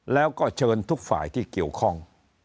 แล้วก็เชิญทุกฝ่ายที่เกี่ยวข้อง